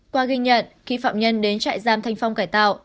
qua ghi nhận khi phạm nhân đến trại giam thanh phong cải tạo